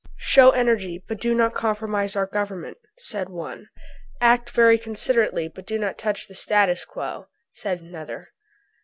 "Show energy, but do not compromise our Government," said one. "Act very considerately, but do not touch the 'statu[s] quo,'" said another.